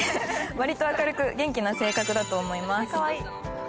「わりと明るく元気な性格だと思います」